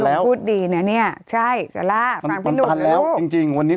แล้วพูดดีน่ะเนี้ยใช่สาหร่าฟังพี่ลูกแล้วจริงจริงวันนี้